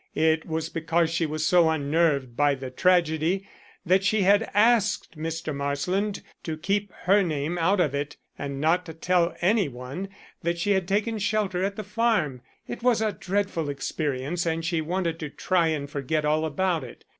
It was because she was so unnerved by the tragedy that she had asked Mr. Marsland to keep her name out of it not to tell any one that she had taken shelter at the farm. It was a dreadful experience and she wanted to try and forget all about it.